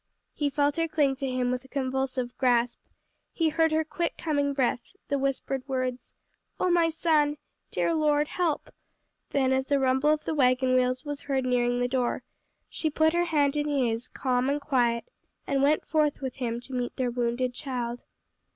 He felt her cling to him with a convulsive grasp, he heard her quick coming breath, the whispered words, "Oh, my son! Dear Lord, help!" then, as the rumble of the wagon wheels was heard nearing the door, she put her hand in his, calm and quiet, and went forth with him to meet their wounded child.